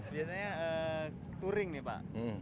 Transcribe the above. biasanya touring nih pak